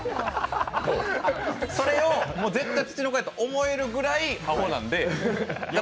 それを絶対ツチノコやと思えるほどあほなんで。